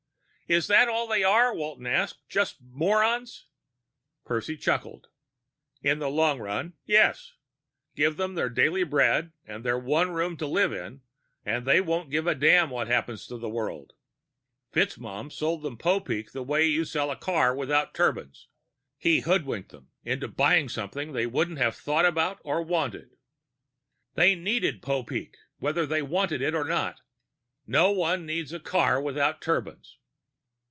"Is that all they are?" Walton asked. "Just morons?" Percy chuckled. "In the long run, yes. Give them their daily bread and their one room to live in, and they won't give a damn what happens to the world. FitzMaugham sold them Popeek the way you'd sell a car without turbines. He hoodwinked them into buying something they hadn't thought about or wanted." "They needed Popeek, whether they wanted it or not. No one needs a car without turbines."